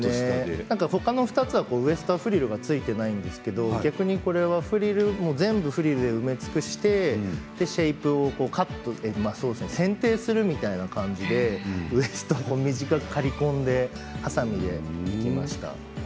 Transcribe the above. ほかの２つはウエスト、フリルがついていないんですが逆にこれは全部フリルで埋め尽くしてシェイプを選定するみたいな感じでウエストを短く刈り込んではさみで。